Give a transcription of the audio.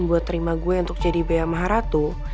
buat terima gue untuk jadi bea maharatu